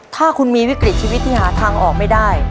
ถ้าคุณมีวิกฤตชีวิตที่หาทางออกไม่ได้